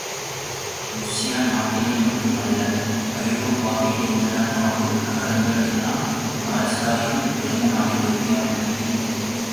ருஷ்ய நாட்டிலே மட்டுமல்ல, ஐரோப்பாவிலே உள்ள நாடு நகரங்கள் எல்லாம் டால்ஸ்டாயின் பிறந்த நாளைப் பெருமையாக நடத்திப் போற்றின.